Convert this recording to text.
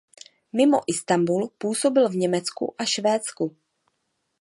Mimo Islandu působil v Německu a Švédsku.